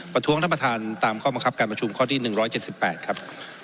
ประท้วงท่านประธานตามข้อบังคับการประชุมข้อที่๑๗๘ครับ